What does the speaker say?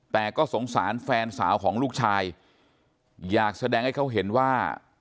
แต่ก็สงสารแฟนสาวของลูกชายอยากแสดงให้เขาเห็นว่า